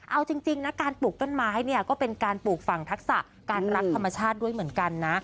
เอาจริงนะการปลูกต้นไม้เนี่ยก็เป็นการปลูกฝั่งทักษะการรักธรรมชาติด้วยเหมือนกันนะ